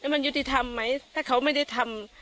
มันยุติธรรมไหมถ้าเขาไม่ได้ทำ